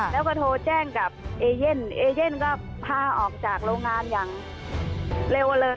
แล้วก็โทรแจ้งกับเอเย่นเอเย่นก็พาออกจากโรงงานอย่างเร็วเลย